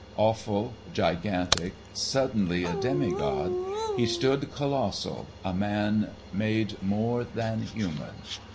Awful, gigantic, suddenly a demi god, he stood colossal, a man made more than human.